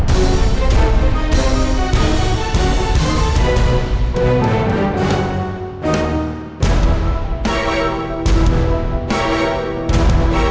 tidak ada yang bisa